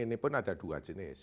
ini pun ada dua jenis